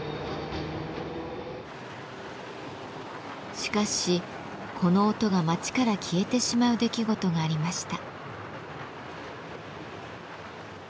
しかしこの音が街から消えてしまう出来事がありました。